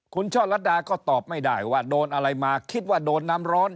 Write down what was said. คุณช่อลัดดาก็ตอบไม่ได้ว่าโดนอะไรมาคิดว่าโดนน้ำร้อน